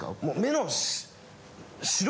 もう目の。